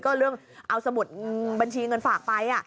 ก็เรื่องเอาสมุดบัญชีเงินฝากไป